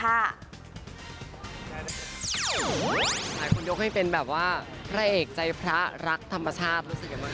หลายคนยกให้เป็นแบบว่าพระเอกใจพระรักธรรมชาติ